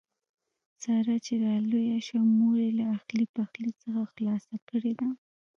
ساره چې را لویه شوه مور یې له اخلي پخلي څخه خلاصه کړې ده.